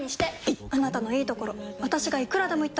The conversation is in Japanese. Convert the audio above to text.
いっあなたのいいところ私がいくらでも言ってあげる！